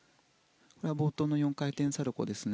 冒頭の４回転サルコウです。